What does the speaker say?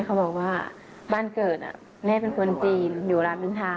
เขาบอกว่าบ้านเกิดแม่เป็นคนจีนอยู่รามอินทา